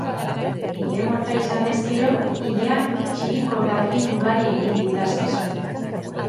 Ile motza izan ezkero, ilean txirikorda fin ugari egin ditzazkezu.